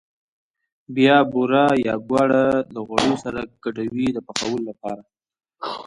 بیا بوره یا ګوړه له غوړیو سره ګډوي د پخولو لپاره.